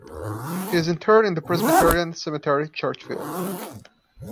He is interred in the Presbyterian Cemetery, Churchville.